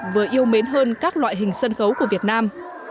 vừa yêu mến hơn các loại hình sân khấu của việt nam